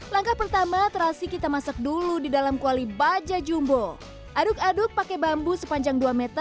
langkah pertama terasi kita masak dulu di dalam kuali baja jumbo aduk aduk pakai bambu sepanjang dua m